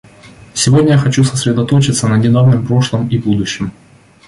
Сегодня я хочу сосредоточиться на недавнем прошлом и будущем.